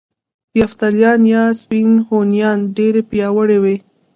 یفتلیان یا سپین هونیان ډیر پیاوړي وو